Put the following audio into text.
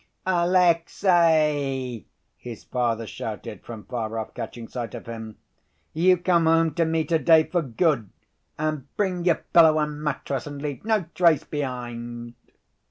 "Alexey!" his father shouted, from far off, catching sight of him. "You come home to me to‐day, for good, and bring your pillow and mattress, and leave no trace behind."